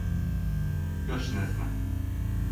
Још не зна.